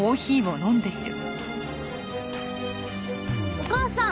お母さん！